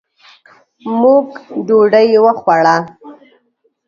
موږ ډوډۍ وخوړه.